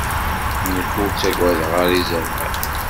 Nekk ur ttagadeɣ ara izerman.